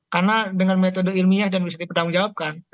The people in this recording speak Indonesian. karena dengan metode ilmiah dan bisa dipertanggungjawabkan